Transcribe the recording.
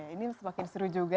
ini semakin seru juga